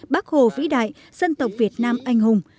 bác hồ vĩ đại dân tộc việt nam anh hùng